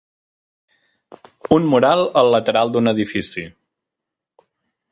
Un mural al lateral d'un edifici.